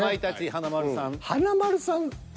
華丸さん。